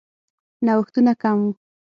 نوښتونه کم وو.